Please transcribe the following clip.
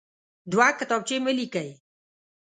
دوه کتابچې مه لیکئ.